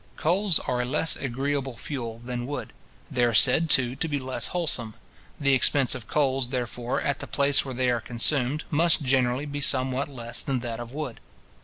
Coals are a less agreeable fuel than wood: they are said too to be less wholesome. The expense of coals, therefore, at the place where they are consumed, must generally be somewhat less than that of wood.